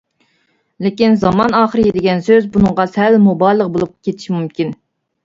لېكىن زامان ئاخىرى دېگەن سۆز بۇنىڭغا سەل مۇبالىغە بولۇپ كېتىشى مۇمكىن.